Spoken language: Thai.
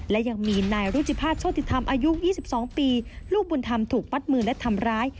และยังมีนายรุจิภาษโชติธรรมอายุ๒๒ปีลูกบุญธรรมถูกมัดมือและทำร้าย